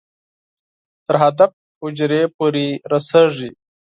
تر هدف حجرې پورې رسېږي.